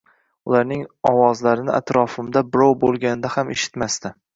Ularning ovozlarini atrofimda birov bo‘lganida ham eshitmasdi